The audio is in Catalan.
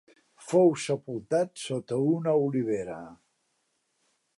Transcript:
Fou sepultat sota una olivera.